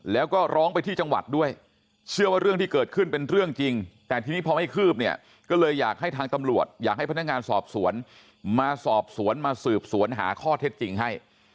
แล้วก็ร้องไปที่จังหวัดด้วยเชื่อว่าเรื่องที่เกิดขึ้นเป็นเรื่องจริงแต่ทีนี้พอไม่คืบเนี่ยก็เลยอยากให้ทางตำรวจอยากให้พนักงานสอบสวนมาสอบสวนมาสืบสวนหาข้อเท็จจริงให้